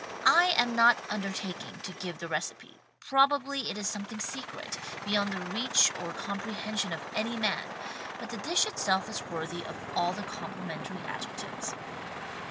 I am not undertaking to give the recipe. Probably it is something secret — beyond the reach or comprehension of any man, but the dish itself is worthy of all the compli mentary adjectives.